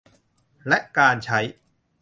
และการใช้